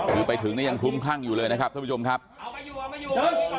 ถือไปถึงเนี่ยยังทุ่มคั่งอยู่เลยนะครับทุกผู้ชมครับเอาไปอยู่เอาไปอยู่